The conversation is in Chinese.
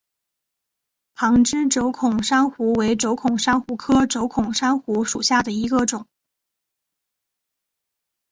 旁枝轴孔珊瑚为轴孔珊瑚科轴孔珊瑚属下的一个种。